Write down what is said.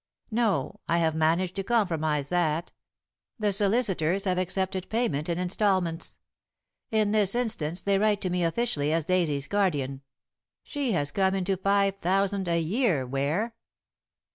"No. I have managed to compromise that. The solicitors have accepted payment in instalments. In this instance they write to me officially as Daisy's guardian. She has come into five thousand a year, Ware."